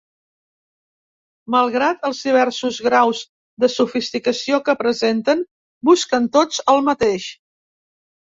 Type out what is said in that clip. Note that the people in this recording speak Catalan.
Malgrat els diversos graus de sofisticació que presenten, busquen tots el mateix.